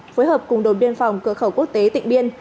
phối hợp cùng đồn biên phòng cửa khẩu quốc tế tịnh biên